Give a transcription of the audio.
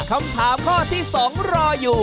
คำถามข้อที่๒รออยู่